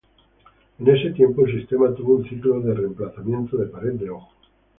En ese tiempo, el sistema tuvo un ciclo de reemplazamiento de pared de ojo.